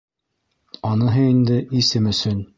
Аныһы инде - исем өсөн.